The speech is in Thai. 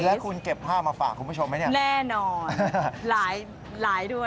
แล้วคุณเก็บผ้ามาฝากคุณผู้ชมไหมเนี่ย